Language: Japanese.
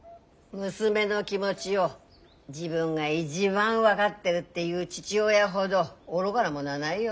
娘の気持ぢを自分が一番分がってるって言う父親ほど愚がなものはないよ。